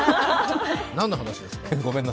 何の話ですか？